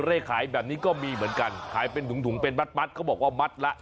เลขขายแบบนี้ก็มีเหมือนกันขายเป็นถุงถุงเป็นมัดเขาบอกว่ามัดละ